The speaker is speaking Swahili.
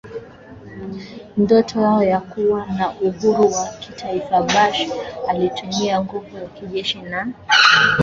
ndoto yao ya kuwa na uhuru wa kitaifaBush alitumia nguvu ya kijeshi na